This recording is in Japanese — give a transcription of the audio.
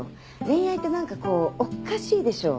恋愛って何かこうおかしいでしょ？